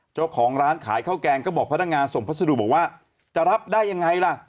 เจ้าของร้านขายข้าวแกงก็บอกพนักงานส่งพัสดุบอกว่าจะรับได้ยังไงล่ะ